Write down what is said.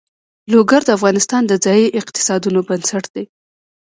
لوگر د افغانستان د ځایي اقتصادونو بنسټ دی.